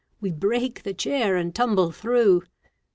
We break the chair and tumble through.